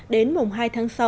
đến mùng hai tháng sáu